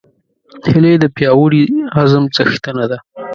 هیلۍ د پیاوړي عزم څښتنه ده